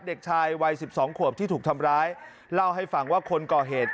เด็กชายวัยสิบสองขวบที่ถูกทำร้ายเล่าให้ฟังว่าคนก่อเหตุ